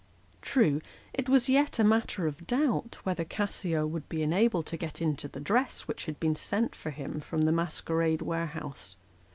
True, it was yet a matter of doubt whether Cassio would be enabled to get into the dress which had been sent for The Audience. 323 him from the masquerade warehouse.